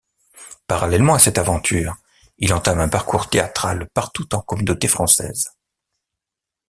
Parallèlement à cette aventure, il entame un parcours théâtral partout en Communauté Française.